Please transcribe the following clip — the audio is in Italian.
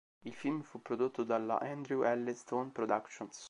Il film fu prodotto dalla Andrew L. Stone Productions.